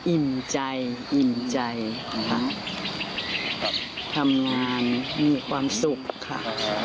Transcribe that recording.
อิ่มใจอิ่มใจนะคะทำงานมีความสุขค่ะ